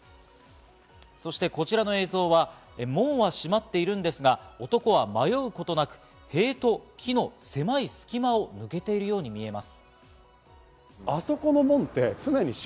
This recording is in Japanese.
そしてこちらの映像は門は閉まっているんですが、男は迷うことなく塀と木の狭い隙間を抜けているように見えます。